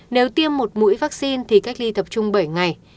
nếu tiêm một mũi vaccine thì cách ly tập trung bảy ngày